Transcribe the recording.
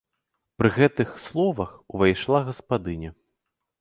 Пры гэтых словах увайшла гаспадыня.